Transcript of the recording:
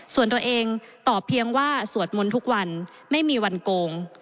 ส่วนตัวเองตอบเพียงว่าสวดมนต์ทุกวันไม่มีวันโกง